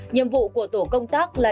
nhiệm vụ của tổ công tác là